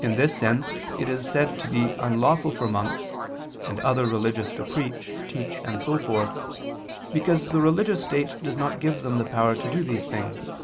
In this sense it is said to be unlawful for monks and other religious to preach, teach, and so forth, because the religious state does not give them the power to do these things.